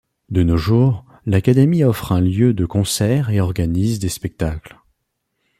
De nos jours, l'académie offre un lieu de concerts et organise des spectacles.